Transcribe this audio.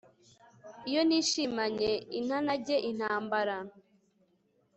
iyo nishimanye intanage intambara